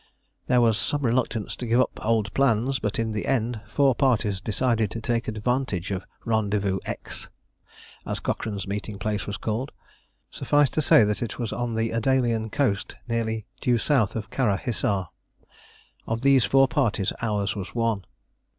There was some reluctance to give up old plans, but in the end four parties decided to take advantage of "Rendezvous X," as Cochrane's meeting place was called suffice to say that it was on the Adalian coast nearly due south of Kara Hissar. Of these four parties ours was one.